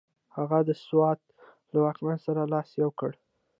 هغه د سوات له واکمن سره لاس یو کړ.